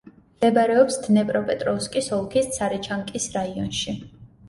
მდებარეობს დნეპროპეტროვსკის ოლქის ცარიჩანკის რაიონში.